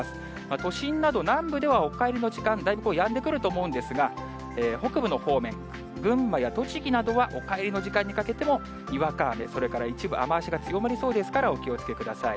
都心など、南部ではお帰りの時間、だいぶやんでくると思うんですが、北部の方面、群馬や栃木などは、お帰りの時間にかけても、にわか雨、それから一部、雨足が強まりそうですから、お気をつけください。